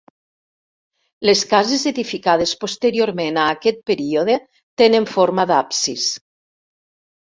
Les cases edificades posteriorment a aquest període tenen forma d'absis.